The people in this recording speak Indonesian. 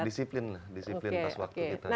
disiplin lah disiplin pas waktu kita